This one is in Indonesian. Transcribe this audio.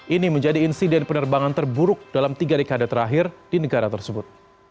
ini menjadi insiden penerbangan terburuk dalam tiga dekade terakhir di negara tersebut